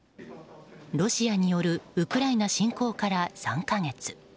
ロシアによるウクライナ侵攻から３か月。